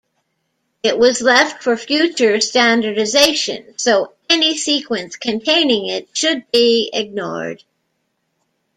It was left for future standardization, so any sequence containing it should be ignored.